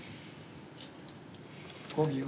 ５秒。